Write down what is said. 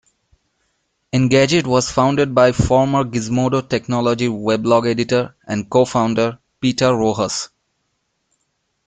Engadget was founded by former Gizmodo technology weblog editor and co-founder, Peter Rojas.